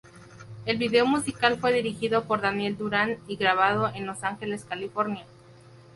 El video musical fue dirigido por Daniel Duran y grabado en Los Ángeles, California.